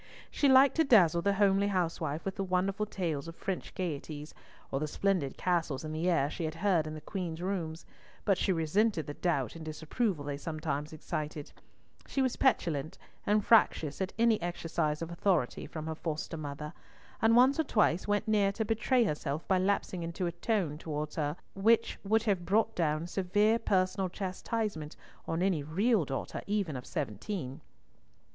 She liked to dazzle the homely housewife with the wonderful tales of French gaieties, or the splendid castles in the air she had heard in the Queen's rooms, but she resented the doubt and disapproval they sometimes excited; she was petulant and fractious at any exercise of authority from her foster mother, and once or twice went near to betray herself by lapsing into a tone towards her which would have brought down severe personal chastisement on any real daughter even of seventeen.